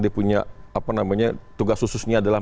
dia punya tugas khususnya adalah